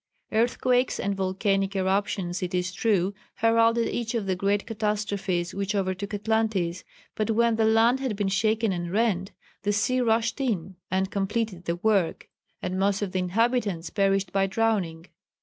Earthquakes and volcanic eruptions, it is true, heralded each of the great catastrophes which overtook Atlantis, but when the land had been shaken and rent, the sea rushed in and completed the work, and most of the inhabitants perished by drowning.